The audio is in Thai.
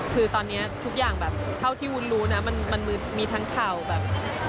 คือตอนนี้ทุกอย่างแบบเท่าที่วุ้นรู้นะมันมีทั้งข่าวแบบ